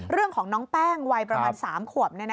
เรื่องของน้องแป้งวัยประมาณ๓ขวบ